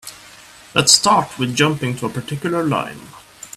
Let's start with jumping to a particular line.